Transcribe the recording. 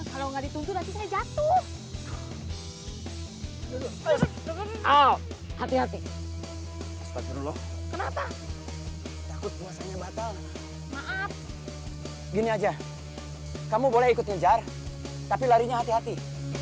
kalau nggak dituntut hati hati hati kenapa maaf gini aja kamu boleh ikutin jar tapi larinya hati hati